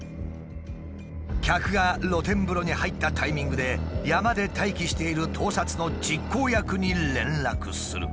客が露天風呂に入ったタイミングで山で待機している盗撮の実行役に連絡する。